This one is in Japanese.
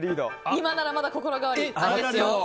今ならまだ心変わりありですよ。